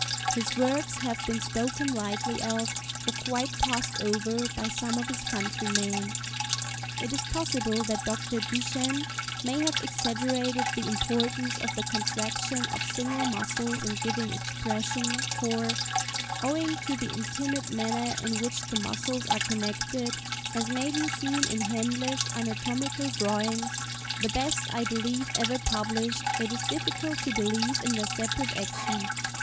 His works have been spoken lightly of, or quite passed over, by some of his countrymen. It is possible that Dr. Duchenne may have exaggerated the importance of the contraction of single muscles in giving expression; for, owing to the intimate manner in which the muscles are connected, as may be seen in Henle's anatomical drawings—the best I believe ever published it is difficult to believe in their separate action.